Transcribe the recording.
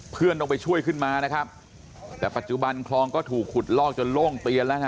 เพื่อนต้องไปช่วยขึ้นมานะครับแต่ปัจจุบันคลองก็ถูกขุดลอกจนโล่งเตียนแล้วฮะ